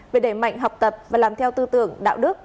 về đẩy mạnh học tập và làm theo tư tưởng đạo đức